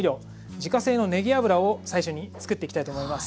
自家製のねぎ油を最初に作っていきたいと思います。